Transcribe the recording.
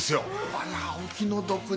あらお気の毒に。